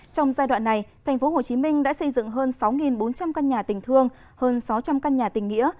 trong giai đoạn này tp hcm đã xây dựng hơn sáu bốn trăm linh căn nhà tình thương hơn sáu trăm linh căn nhà tình nghĩa